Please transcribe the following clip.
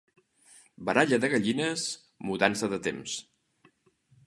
Baralla de gallines, mudança de temps.